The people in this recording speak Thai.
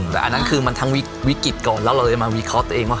แต่อันนั้นคือมันทั้งวิกฤตก่อนแล้วเราเลยมาวิเคราะห์ตัวเองว่า